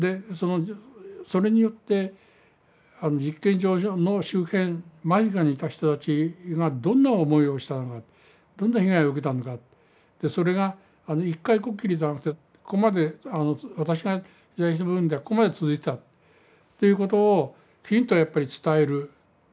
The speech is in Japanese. それによって実験場の周辺間近にいた人たちがどんな思いをしたのかどんな被害を受けたのかそれが一回こっきりじゃなくてここまで私が取材した部分ではここまで続いてたということをきちんとやっぱり伝える。